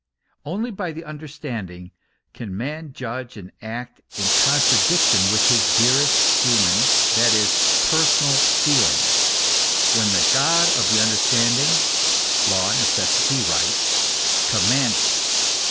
Only by the understanding can man judge and act in contradiction with his dearest human, that is, personal feelings, when the God of the understanding, law, necessity, right, commands it.